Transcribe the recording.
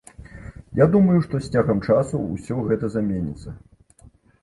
Я думаю, што з цягам часу ўсё гэта заменіцца.